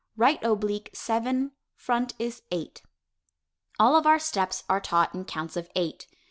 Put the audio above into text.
Right oblique, "seven." Front is "eight." All of our steps are taught in counts of eight.